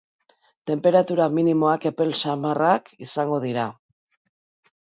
Tenperatura minimoak epel samarrak izango dira.